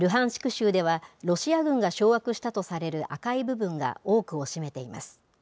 州では、ロシア軍が掌握したとされる赤い部分が多くを占めています。